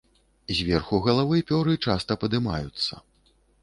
Зверху галавы пёры часта падымаюцца.